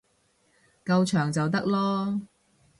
夠長就得囉